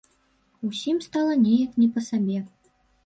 Усім стала неяк не па сабе.